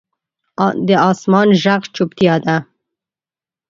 د اسمان ږغ چوپتیا ده.